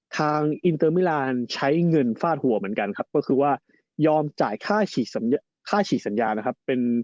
อินเตอร์มิลานใช้เงินฟาดหัวเหมือนกันครับก็คือว่ายอมจ่ายค่าฉีกสัญญานะครับ